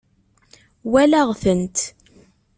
Walaɣ-tent.